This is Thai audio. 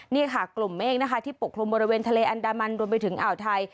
นี่ค่ะกลุ่มเมฆนะคะที่ปกคลุมบริเวณทะเลอันดามันรวมไปถึงอ่าวไทย